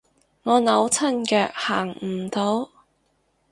我扭親腳行唔到